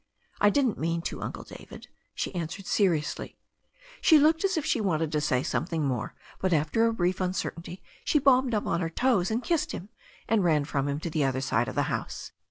"I didn't mean to, Uncle David," she answered seriously. She looked as if she wanted to say something more, but after a brief uncertainty she bobbed up on her toes and kissed him, and ran from him to the other side of the house.